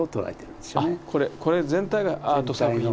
これ全体がアート作品。